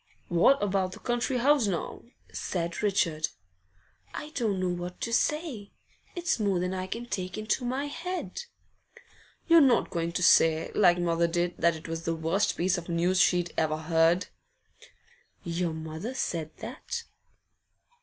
'What about the country house now?' said Richard. 'I don't know what to say. It's more than I can take into my head.' 'You're not going to say, like mother did, that it was the worst piece of news she'd ever heard?' 'Your mother said that?